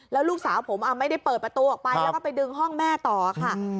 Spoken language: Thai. แล้วลูกสาวผมไม่ได้เปิดประตูออกไปแล้วก็ไปดึงห้องแม่ต่อค่ะ